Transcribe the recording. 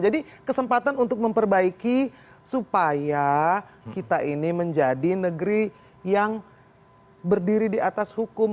jadi kesempatan untuk memperbaiki supaya kita ini menjadi negeri yang berdiri di atas hukum